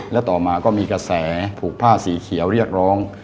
และต่อมาก็มีกระแสผูกผ้าสีเขียวเรียกร้อง